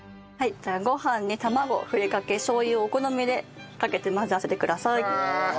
ご飯に卵ふりかけしょう油をお好みでかけて混ぜ合わせてください。